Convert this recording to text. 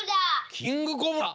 キングコブラ！？